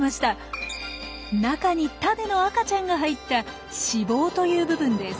中にタネの赤ちゃんが入った「子房」という部分です。